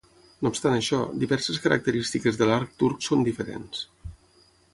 No obstant això, diverses característiques de l'arc turc són diferents.